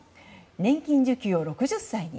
年金受給を６０歳に。